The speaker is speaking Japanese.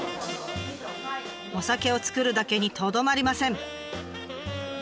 お酒を造るだけにとどまりません。